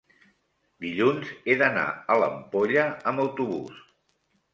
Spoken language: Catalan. dilluns he d'anar a l'Ampolla amb autobús.